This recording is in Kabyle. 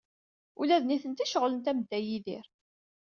Ula d nitenti ceɣlent am Dda Yidir.